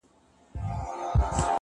اوښکي دې توی کړلې ډېوې ـ راته راوبهيدې ـ